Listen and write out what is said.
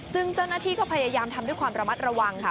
ซึ่งเจ้าหน้าที่ก็พยายามทำด้วยความระมัดระวังค่ะ